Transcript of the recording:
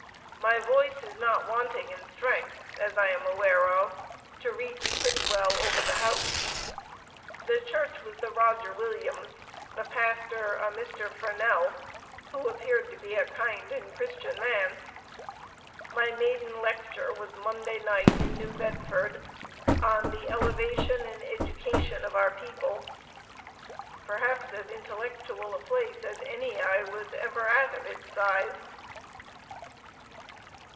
My voice is not wanting in strength, as I am aware of, to reach pretty well over the house. The church was the Roger Williams; the pastor, a Mr. Furnell, who appeared to be a kind and Christian man.... My maiden lecture was Monday night in New Bedford on the Elevation and Education of our People. Perhaps as intellectual a place as any I was ever at of its size."